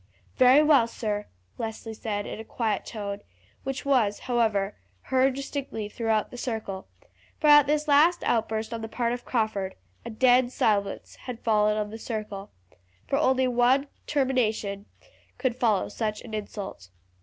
"Very well, sir," Leslie said in a quiet tone, which was, however, heard distinctly throughout the circle, for at this last outburst on the part of Crawford a dead silence had fallen on the circle, for only one termination could follow such an insult.